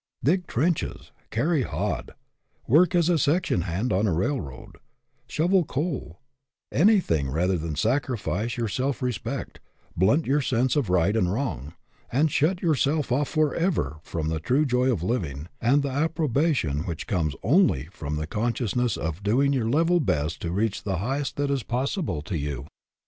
Dig trenches ; carry a hod ; work as a section hand on a railroad ; shovel coal, anything rather than sacrifice your self re spect, blunt your sense of right and wrong, and shut yourself off forever from the true joy of living, and the approbation which comes only from the consciousness of doing your level best to reach the highest that is possible to you.